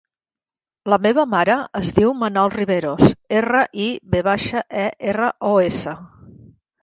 La meva mare es diu Manal Riveros: erra, i, ve baixa, e, erra, o, essa.